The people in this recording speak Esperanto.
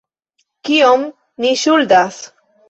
Kiom ni ŝuldas?